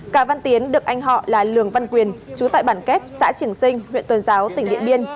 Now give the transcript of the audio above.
cà văn tiến được anh họ là lường văn quyền chú tại bản kép xã trường sinh huyện tuần giáo tỉnh điện biên